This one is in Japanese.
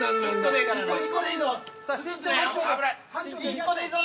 １個でいいぞ！